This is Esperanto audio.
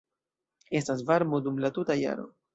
Estas varmo dum la tuta jaro.